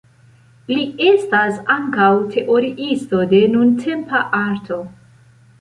Li estas ankaŭ teoriisto de nuntempa arto.